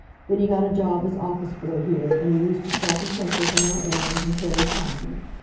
Then he got a job as office boy here, and he used to sharpen pencils, and run errands, and carry copy.